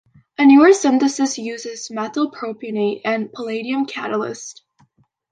A newer synthesis uses methyl propionate and a palladium catalyst.